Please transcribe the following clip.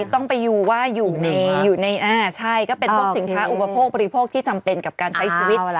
ต้องไปดูว่าอยู่ในอ่าใช่ก็เป็นพวกสินค้าอุปโภคบริโภคที่จำเป็นกับการใช้ชีวิต